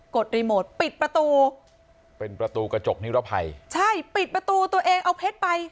ดรีโมทปิดประตูเป็นประตูกระจกนิรภัยใช่ปิดประตูตัวเองเอาเพชรไป